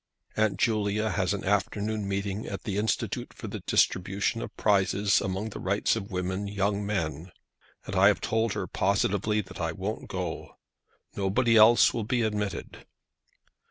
Aunt Julia has an afternoon meeting at the Institute for the distribution of prizes among the Rights of Women young men, and I have told her positively that I won't go. Nobody else will be admitted.